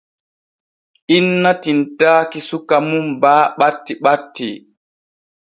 Inna tinntaaki suka mum baa ɓatti ɓatti.